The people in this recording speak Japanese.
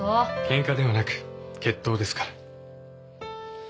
ケンカではなく決闘ですから。